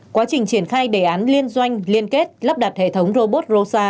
quá trình triển khai đề án liên doanh liên kết lắp đặt hệ thống robot